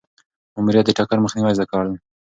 ماموریت د ټکر مخنیوی زده کړل.